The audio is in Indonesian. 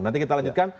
nanti kita lanjutkan